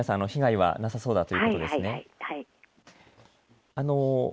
被害はなさそうだということですね。